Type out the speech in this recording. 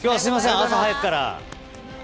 朝早くから。